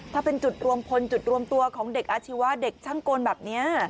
ถ้าเป็นจุดรวมพลจุดรวมตัวของเด็กอาชีวะเด็กช่างกลแบบนี้